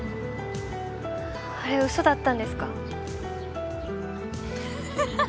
あれ嘘だったんですか？